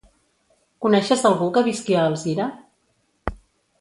Coneixes algú que visqui a Alzira?